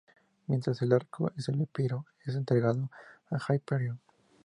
Mientras, el arco de Epiro es entregado a Hyperion.